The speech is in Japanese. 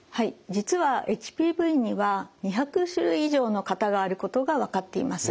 実はＨＰＶには２００種類以上の型があることが分かっています。